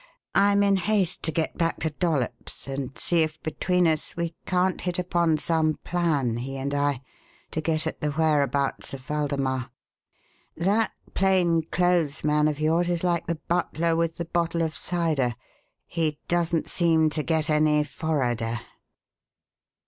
I'm in haste to get back to Dollops and see if between us we can't hit upon some plan, he and I, to get at the whereabouts of Waldemar. That plain clothes man of yours is like the butler with the bottle of cider he 'doesn't seem to get any forrarder.'"